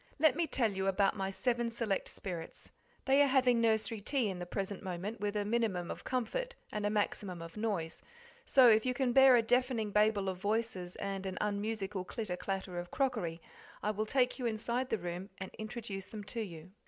Let me tell you about my seven select spirits. They are having nursery tea at the present moment with a minimum of comfort and a maximum of noise, so if you can bear a deafening babel of voices and an unmusical clitter clatter of crockery I will take you inside the room and introduce them to you.